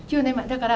だから